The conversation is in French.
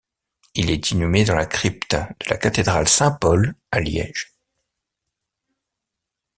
Il est inhumé dans la crypte de la Cathédrale Saint-Paul à Liège.